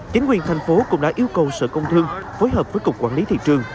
chính quyền thành phố cũng đã yêu cầu sở công thương phối hợp với cục quản lý thị trường